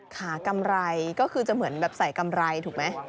กำไรก็คือจะเหมือนแบบใส่กำไรถูกไหม